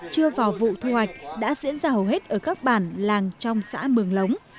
chưa vào vụ thu hoạch đã diễn ra hầu hết ở các bản làng trong xã mường lống